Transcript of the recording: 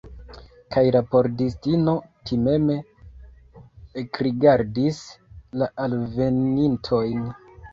Kaj la pordistino timeme ekrigardis la alvenintojn.